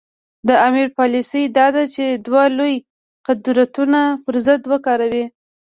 د امیر پالیسي دا ده چې دوه لوی قدرتونه پر ضد وکاروي.